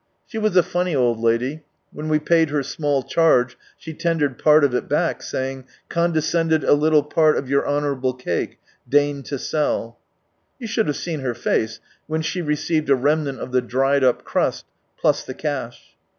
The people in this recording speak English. She was a funny old lady ; when we paid her small charge, she tendered part of it back, saying, " Condescended a little piece of your honourable cake, deign to sell 1 " You should have seen her face when she received a remnant of the dried up cnist, plus the cash.